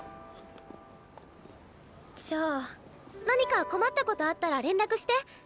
何か困ったことあったら連絡して？